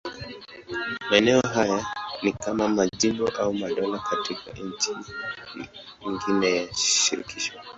Maeneo haya ni kama majimbo au madola katika nchi nyingine ya shirikisho.